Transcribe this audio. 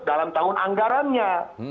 dalam tahun anggarannya